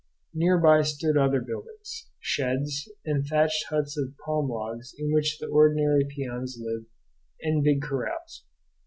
Near by stood other buildings: sheds, and thatched huts of palm logs in which the ordinary peons lived, and big corrals.